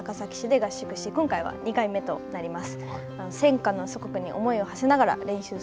合宿し、今回は２回目となります。